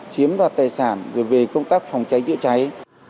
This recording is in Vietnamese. chiếm đoạt tài sản rồi về công tác phòng cháy chữa cháy